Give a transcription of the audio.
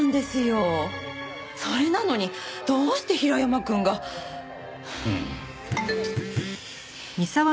それなのにどうして平山くんが。うん。